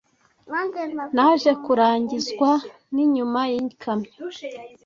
Naje kurangizwa ninyuma yikamyo.